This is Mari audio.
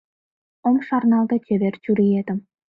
Ом шарналте чевер чуриетым.